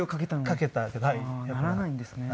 かけたけど。ならないんですね。